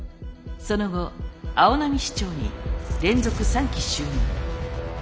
その後青波市長に連続３期就任。